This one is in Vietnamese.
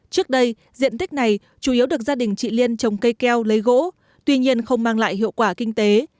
trước đây diện tích này chủ yếu được gia đình chị liên trồng cây keo lấy gỗ tuy nhiên không mang lại hiệu quả kinh tế